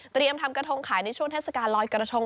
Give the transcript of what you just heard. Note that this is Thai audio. ทำกระทงขายในช่วงเทศกาลลอยกระทง